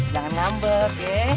jangan ngambek ya